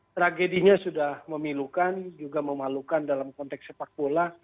tragedinya sudah memilukan juga memalukan dalam konteks sepak bola